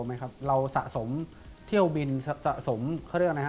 ไหมครับเราสะสมเที่ยวบินสะสมเขาเรียกอะไรฮะ